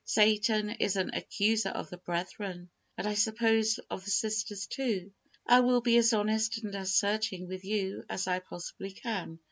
Satan is an accuser of the brethren, and, I suppose, of the sisters too. I will be as honest and as searching with you as I possibly can.